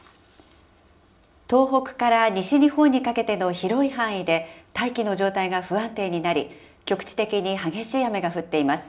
東北から西日本にかけての広い範囲で、大気の状態が不安定になり、局地的に激しい雨が降っています。